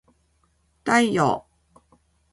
太陽